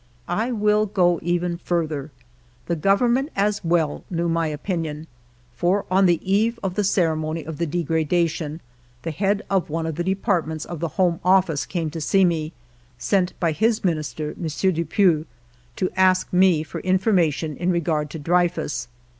I will go even further. The Government, as .well, knew my opinion, for on the eve of the ceremony of the degradation, the head of one of the departments of the Home Office came to me, sent by his Minister, M. Dupuy, to ask me for information in regard to Drevfus.